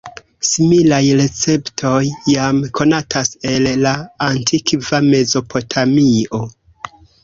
Similaj receptoj jam konatas el la antikva Mezopotamio.